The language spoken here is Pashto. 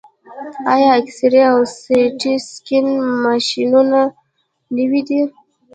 آیا اکسرې او سټي سکن ماشینونه نوي دي؟